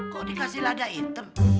kok dikasih lada hitam